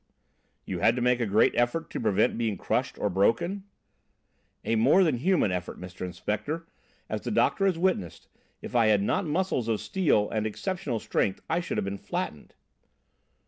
"You had to make a great effort to prevent being crushed or broken?" "A more than human effort, Mr. Inspector, as the doctor has witnessed; if I had not muscles of steel and exceptional strength I should have been flattened."